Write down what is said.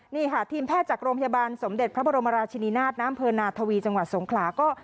นี่ค่ะทีมแพทย์จากโรงพยาบาลสมเด็จพระบรมราชินินาศน้ำเผลอนาทวีจังหวัดสงขลาก็